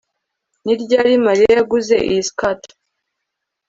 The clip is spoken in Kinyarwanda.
Ni ryari Mariya yaguze iyi skirt